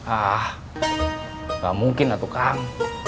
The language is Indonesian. ah gak mungkin lah tuh kang